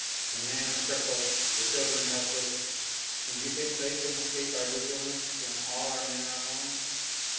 The man a cripple, the children helpless! And you think they can escape our vigilance when all our men are warned!